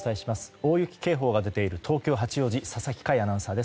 大雪警報が出ている東京・八王子佐々木快アナウンサーです。